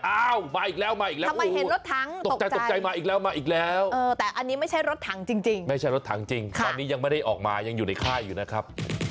อ้าวมาอีกแล้วมาอีกแล้วทำไมเห็นรถถังตกใจตกใจมาอีกแล้วมาอีกแล้วแต่อันนี้ไม่ใช่รถถังจริงไม่ใช่รถถังจริงตอนนี้ยังไม่ได้ออกมายังอยู่ในค่ายอยู่นะครับ